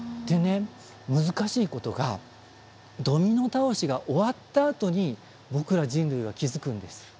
でね難しいことがドミノ倒しが終わったあとに僕ら人類は気付くんです。